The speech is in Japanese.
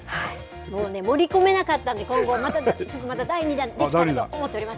もうね、盛り込めなかったんで、今後、また第２弾できたらと思っています。